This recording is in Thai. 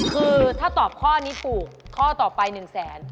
คือถ้าตอบข้อนี้ถูกข้อต่อไป๑แสน